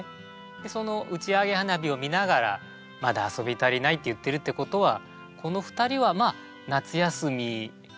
その打ち上げ花火を見ながら「まだ遊び足りない」って言ってるってことはこの２人はまあ夏休みを過ごしている子ども